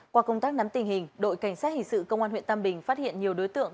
qua công tác nắm tình hình đội cảnh sát hình sự công an huyện tam bình phát hiện nhiều đối tượng